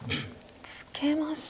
ツケました。